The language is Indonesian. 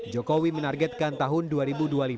jokowi menargetkan tahun ini